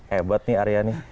hebat nih area ini